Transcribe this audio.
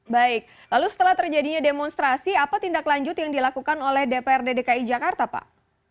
baik lalu setelah terjadinya demonstrasi apa tindak lanjut yang dilakukan oleh dprd dki jakarta pak